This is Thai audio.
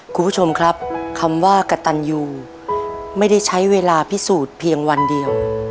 คุณผู้ชมครับคำว่ากระตันยูไม่ได้ใช้เวลาพิสูจน์เพียงวันเดียว